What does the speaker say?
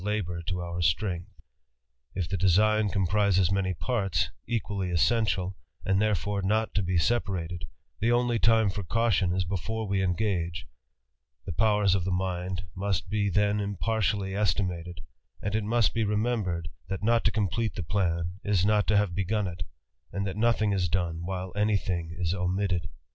labour to < Strength. If the design comprises many parts, equ; essential, and therefore not to be separated, the only ti for caution is before we engage ; the powers of the m must be then impartially estimated, and it must be rem( bered, that not to complete the plan is not to have bej it ; and that nothing is done, while any thing is omitted.